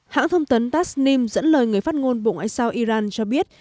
hãng thông tấn tasnim dẫn lời người phát ngôn bộ ngoại giao iran cho biết